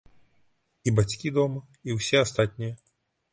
І бацькі дома, і ўсе астатнія.